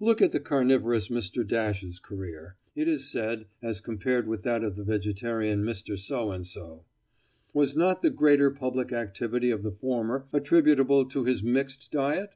Look at the carnivorous Mr. Dash's career, it is said, as compared with that of the vegetarian Mr. So and So! Was not the greater public activity of the former attributable to his mixed diet?